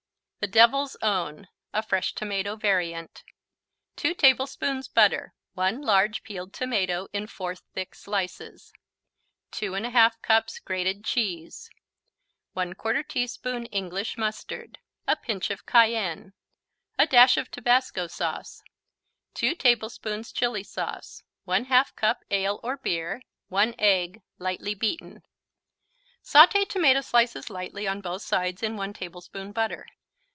The Devil's Own (a fresh tomato variant) 2 tablespoons butter 1 large peeled tomato in 4 thick slices 2 1/2 cups grated cheese 1/4 teaspoon English mustard A pinch of cayenne A dash of tabasco sauce 2 tablespoons chili sauce 1/2 cup ale or beer 1 egg, lightly beaten Sauté tomato slices lightly on both sides in 1 tablespoon butter.